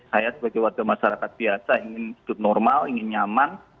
saya sebagai warga masyarakat biasa ingin hidup normal ingin nyaman